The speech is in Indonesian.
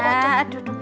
iya aduh bu